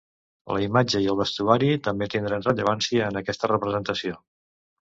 La imatge i el vestuari també tindran rellevància en aquesta representació.